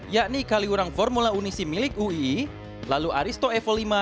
yakni kaliurang formula unisi milik uii lalu aristo evo lima